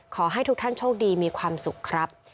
ขอให้ทุกท่านโชคดีมีความสุขครับ